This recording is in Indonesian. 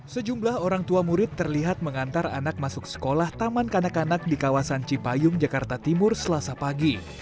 sejumlah orang tua murid terlihat mengantar anak masuk sekolah taman kanak kanak di kawasan cipayung jakarta timur selasa pagi